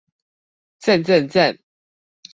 讚讚讚